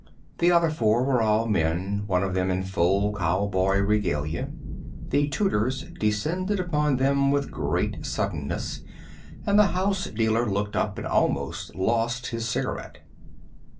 The other four were all men, one of them in full cowboy regalia. The Tudors descended upon them with great suddenness, and the house dealer looked up and almost lost his cigarette.